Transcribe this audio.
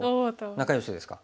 仲よしですか？